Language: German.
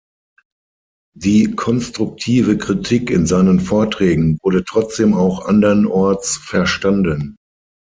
Die konstruktive Kritik in seinen Vorträgen wurde trotzdem auch andernorts verstanden.